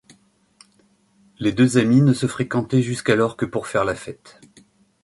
Les deux amis ne se fréquentaient jusqu'alors que pour faire la fête.